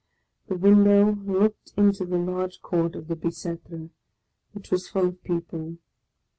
The window looked into the large Court of the Bicetre, which was full of people.